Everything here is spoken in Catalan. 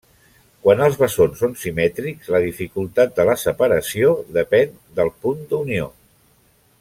Quan els bessons són simètrics, la dificultat de la separació depèn del punt d'unió.